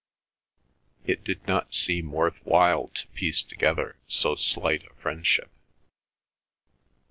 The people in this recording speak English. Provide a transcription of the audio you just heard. It did not seem worth while to piece together so slight a friendship.